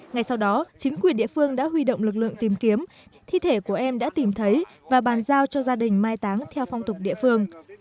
ngay sau đó chính quyền địa phương đã huy động lực lượng tìm kiếm thi thể của em đã tìm thấy và bàn giao cho gia đình mai táng theo phong tục địa phương